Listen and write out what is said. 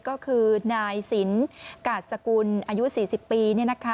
ก็คือนายสินกาศสกุลอายุ๔๐ปี